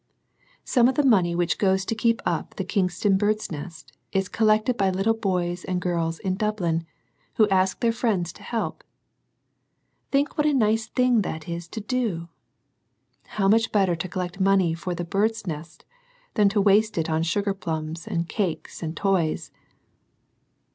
Some of the money which goes to keep up the Kingstown " Bird's Nest " is collected by little boys and girls in Dublin, who ask their friends to help. Think what a nice thing that is to do ! How much better to collect money for the " Bird's Nest," than to waste it on sugar plums, and cakes, and toys